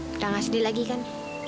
udah gak sedih lagi kan